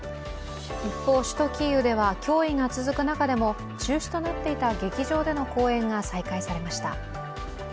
一方首都キーウでは脅威が続く中でも、中止となっていた劇場での公演が再開されました。